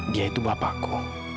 dia itu bapakku